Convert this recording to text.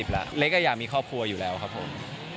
เล็กก็อยากมีครอบครัวอยู่แล้วครับผม